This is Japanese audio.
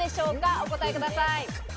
お答えください。